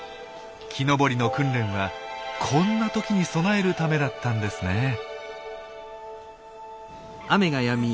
木登りの訓練はこんな時に備えるためだったんですね。